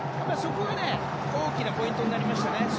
そこがね大きなポイントになりましたね。